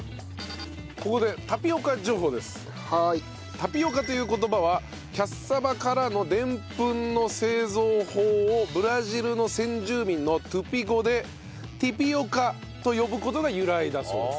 「タピオカ」という言葉はキャッサバからのデンプンの製造法をブラジルの先住民のトゥピ語で「ティピオカ」と呼ぶ事が由来だそうです。